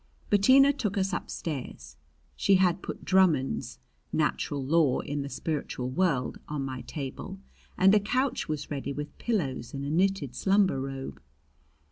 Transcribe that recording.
Bettina took us upstairs. She had put Drummond's "Natural Law in the Spiritual World" on my table and a couch was ready with pillows and a knitted slumber robe.